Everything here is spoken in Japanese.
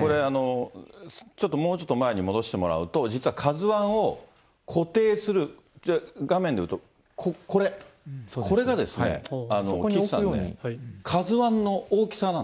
これ、ちょっともうちょっと前に戻してもらうと、実はＫＡＺＵＩを固定する、画面で言うとこれ、これがですね、岸さんね、ＫＡＺＵへえ、なるほど。